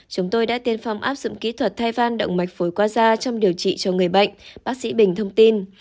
chúng tôi đã tiên phong áp dụng kỹ thuật thay van động mạch phối qua da trong điều trị cho người bệnh bác sĩ bình thông tin